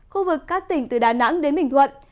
khu vực các tỉnh từ đà nẵng đến bình thuận